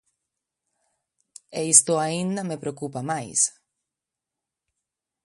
E isto aínda me preocupa máis.